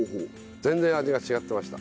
全然味が違ってました。